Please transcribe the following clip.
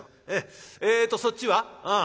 えっとそっちは？